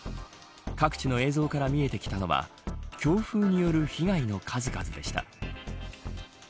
各地の映像から見えてきたのは強風による被害の数々でした。